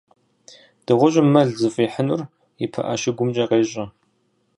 Дыгъужьым мэл зыфӏихьынур и пыӏэ щыгумкӏэ къещӏэ.